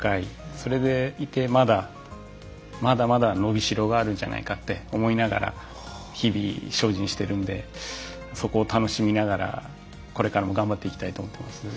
それでいてまだまだまだ伸びしろがあるんじゃないかって思いながら日々精進してるんでそこを楽しみながらこれからも頑張っていきたいと思ってます。